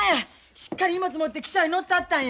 しっかり荷物持って汽車に乗ってはったんや。